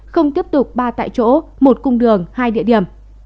không tiếp tục ba tại chỗ một cung đường hai địa điểm